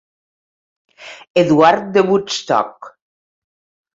Eduard de Woodstock.